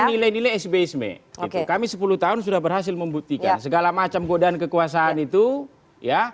nilai nilai sbeisme itu kami sepuluh tahun sudah berhasil membuktikan segala macam godaan kekuasaan itu ya